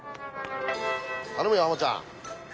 頼むよハマちゃん。